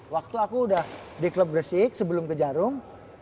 waktu aku udah di klub gresik sebelum ke jarum